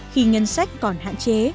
khi ngân sách còn hạn chế